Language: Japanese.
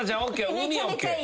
海はＯＫ？